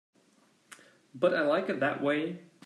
But I like it that way.